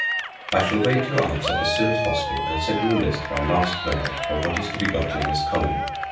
I shall await your answer as soon as possible, and send you a list by last mail of what is to be got in this colony.